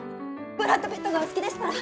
ブラッド・ピットがお好きでしたら。